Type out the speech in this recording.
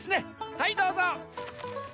はいどうぞ。